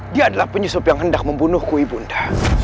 dia adalah penyusup yang hendak membunuhku ibu anda